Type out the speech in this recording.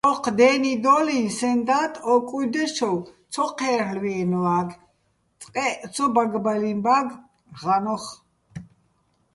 ოჴ დე́ნიდო́ლიჼ სეჼ და́დ ო კუჲდე́ჩოვ ცო ჴე́რ'ლვიენვაგე̆, წყეჸ ცო ბაგბალინბაგე̆ ღა́ნოხ.